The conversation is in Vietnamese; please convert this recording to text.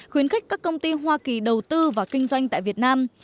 khuyến khích các công ty hoa kỳ đầu tư và kinh doanh tại việt nam